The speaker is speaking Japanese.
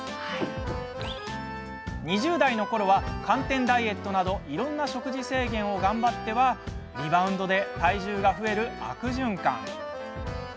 ２０代のころは寒天ダイエットなどいろんな食事制限を頑張ってはリバウンドで体重が増える悪循環。